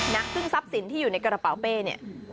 ซึ่งทรัพย์สินที่อยู่ในกระเป๋าเป้เนี่ย